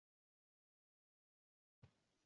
没有步兵的支持就出动坦克也许不是很明智。